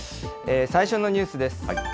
最初のニュースです。